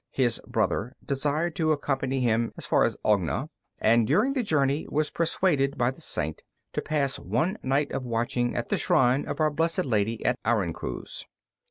His brother desired to accompany him as far as Ogna, and during the journey was persuaded by the Saint to pass one night of watching at the shrine of Our Blessed Lady at Aruncuz.